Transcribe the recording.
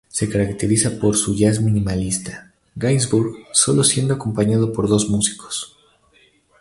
Se caracteriza por su jazz minimalista, Gainsbourg sólo siendo acompañado por dos músicos.